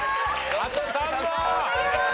あと３問！